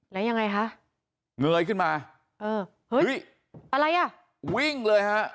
แล้วยังไงคะเงยขึ้นมาเออเฮ้ยอะไรอ่ะวิ่งเลยฮะ